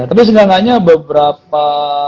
tapi seenggak enggaknya beberapa